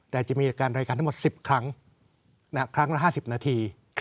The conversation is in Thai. แต่จะมีรายการรายการทั้งหมด๑๐ครั้งครั้งละ๕๐นาที